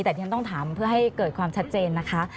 แต่ที่ฉันต้องถามเพื่อให้เกิดความชัดเจนนะคะ